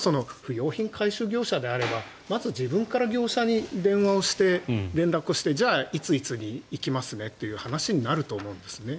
飛び込み営業みたいなものって例えば不用品回収業者であればまず自分から業者に電話して連絡してじゃあ、いついつに行きますねという話になると思うんです。